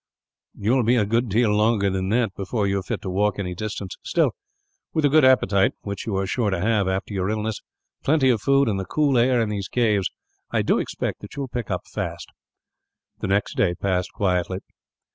"You will be a good deal longer than that, before you are fit to walk any distance. Still, with a good appetite which you are sure to have, after your illness plenty of food, and the cool air in these caves, I do expect that you will pick up fast." The next day passed quietly.